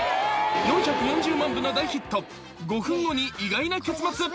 ４４０万部の大ヒット、５分後に意外な結末。